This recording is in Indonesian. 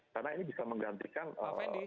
karena ini bisa menggantikan old economy bank